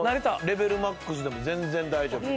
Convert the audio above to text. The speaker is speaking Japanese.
レベルマックスでも全然大丈夫。